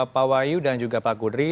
pak wahyu dan juga pak kudri